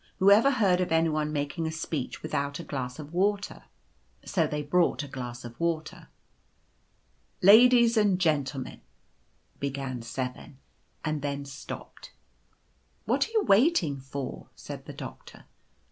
Who ever heard of any one making a speech without a glass of water !'" So they brought a glass of water. " c Ladies and Gentlemen —' began 7, and then stopped. f€ c What are you waiting for ?' said the Doctor.